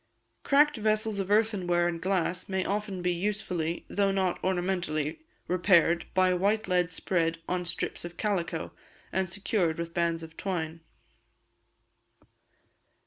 Cracked vessels of earthenware and glass may often be usefully, though not ornamentally, repaired by white lead spread on strips of calico, and secured with bands of twine.